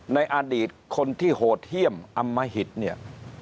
ในอดีตคนที่โหดเยี่ยมอำมหิตเนี่ย